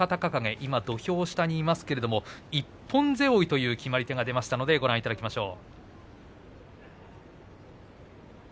今土俵下にいますけれども一本背負いという決まり手が出ましたのでご覧いただきましょう。